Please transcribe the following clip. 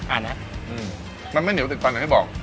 นะมันไม่เหนียวติดตอนอย่างที่บอก